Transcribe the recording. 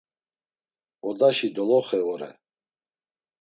Odaşi doloxe ore.